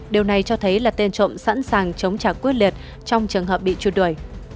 điều này cho thấy là tên trộm sẵn sàng chống trả quyết liệt trong trường hợp bị truy đuổi